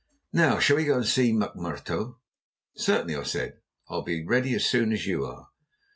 "Now shall we go and see McMurtough?" "Certainly," I said; "I'll be ready as soon as you are."